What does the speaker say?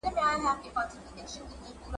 د شته من پر کور یو وخت د غم ناره سوه ,